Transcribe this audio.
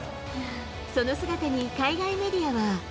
その姿に海外メディアは。